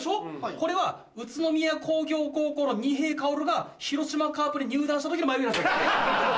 これは宇都宮工業高校の仁平馨が広島カープに入団した時の眉毛。